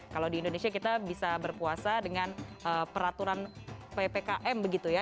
kalau di indonesia kita bisa berpuasa dengan peraturan ppkm begitu ya